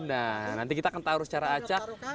dan nanti kita akan taruh secara acak